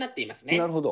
なるほど。